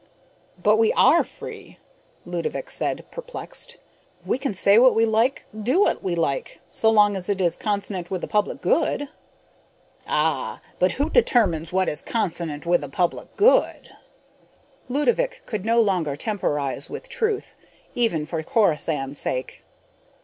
"But we are free," Ludovick said, perplexed. "We can say what we like, do what we like, so long as it is consonant with the public good." "Ah, but who determines what is consonant with the public good?" Ludovick could no longer temporize with truth, even for Corisande's sake.